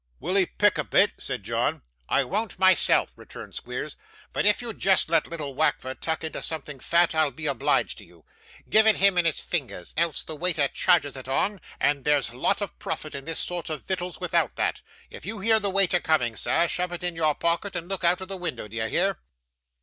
'Will 'ee pick a bit?' said John. 'I won't myself,' returned Squeers; 'but if you'll just let little Wackford tuck into something fat, I'll be obliged to you. Give it him in his fingers, else the waiter charges it on, and there's lot of profit on this sort of vittles without that. If you hear the waiter coming, sir, shove it in your pocket and look out of the window, d'ye hear?